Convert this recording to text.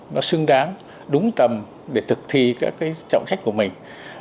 nó xứng đáng đúng tầm để thực thi các cái trọng trách của mình